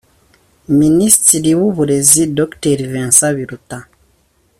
Minisitiri w’uburezi Dr Vincent Biruta